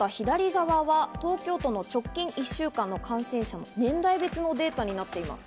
こちらは東京都の直近１週間の感染者の年代別のデータになっています。